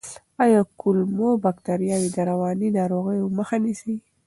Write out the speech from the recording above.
آیا کولمو بکتریاوې د رواني ناروغیو مخه نیسي؟